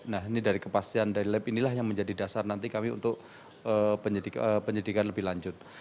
nah ini dari kepastian dari lab inilah yang menjadi dasar nanti kami untuk penyelidikan lebih lanjut